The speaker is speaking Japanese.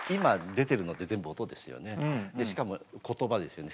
しかも言葉ですよね説明。